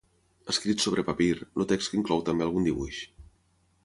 Escrit sobre papir, el text inclou també algun dibuix.